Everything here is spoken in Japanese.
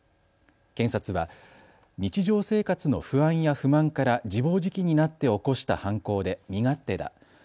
検察は日常生活の不安や不満から自暴自棄になって起こした犯行で身勝手だ。